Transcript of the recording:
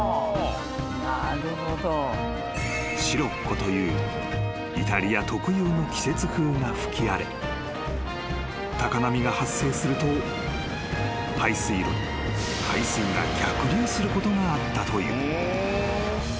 ［シロッコというイタリア特有の季節風が吹き荒れ高波が発生すると排水路に海水が逆流することがあったという］